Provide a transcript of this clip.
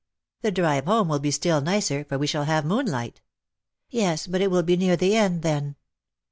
" The drive home will be still nicer, for we shall have moon light." " Yes, but it will be near the end then